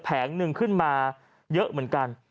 แผงหนึ่งขึ้นมาเยอะเหมือนกัน